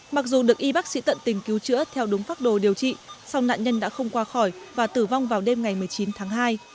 mặc dù được y bác sĩ tận tình cứu chữa theo đúng phác đồ điều trị song nạn nhân đã không qua khỏi và tử vong vào đêm ngày một mươi chín tháng hai